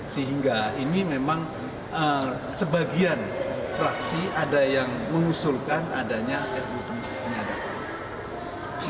sehingga ini memang sebagian fraksi ada yang mengusulkan adanya ruu penyadapan